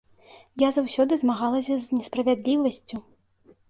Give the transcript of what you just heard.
Я заўсёды змагалася з несправядлівасцю.